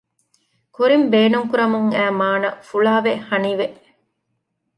ކުރިން ބޭނުންކުރަމުން އައި މާނަ ފުޅާވެ ހަނިވެ